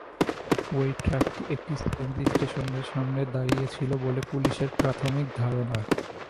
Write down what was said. ওই ট্রাকটি একটি সিএনজি স্টেশনের সামনে দাঁড়িয়ে ছিল বলে পুলিশের প্রাথমিক ধারণা।